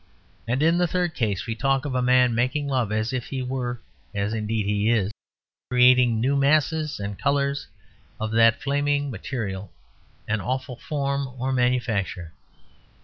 And in the third case we talk of a man "making love," as if he were (as, indeed, he is) creating new masses and colours of that flaming material an awful form of manufacture.